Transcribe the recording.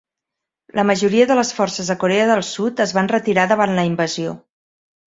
La majoria de les forces de Corea del Sud es van retirar davant la invasió.